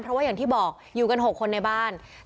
เพราะว่าอย่างที่บอกอยู่กัน๖คนในบ้าน